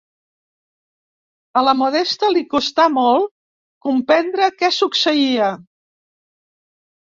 A la Modesta li costà molt comprendre què succeïa.